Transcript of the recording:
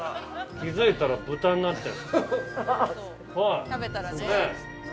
気づいたら豚になっちゃう。